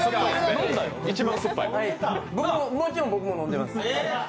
もちろん僕も飲んでます。